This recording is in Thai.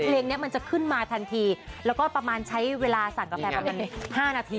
เพลงนี้มันจะขึ้นมาทันทีแล้วก็ประมาณใช้เวลาสั่งกาแฟประมาณ๕นาที